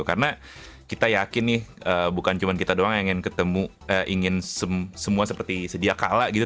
karena kita yakin nih bukan cuma kita doang yang ingin ketemu ingin semua seperti sedia kalah gitu